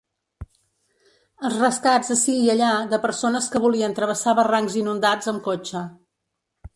Els rescats ací i allà de persones que volien travessar barrancs inundats amb cotxe.